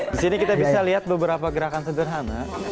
di sini kita bisa lihat beberapa gerakan sederhana